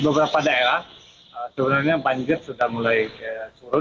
di beberapa daerah sebenarnya banjir sudah mulai turun